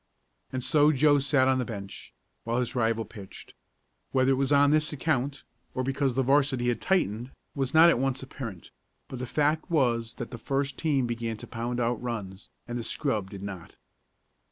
And so Joe sat on the bench, while his rival pitched. Whether it was on this account, or because the 'varsity had tightened, was not at once apparent, but the fact was that the first team began to pound out runs, and the scrub did not.